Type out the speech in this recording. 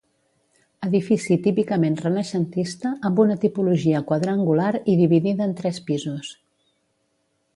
Edifici típicament renaixentista amb una tipologia quadrangular i dividida en tres pisos.